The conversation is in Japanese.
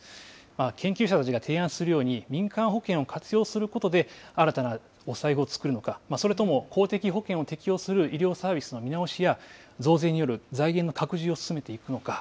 研究者たちが提案するように民間保険を活用することで、新たなお財布を作るのか、それとも公的保険を適用する医療サービスの見直しや、増税による財源の拡充を進めていくのか。